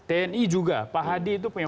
tni juga pak hadi itu punya komitmen